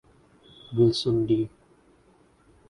Wilson (D).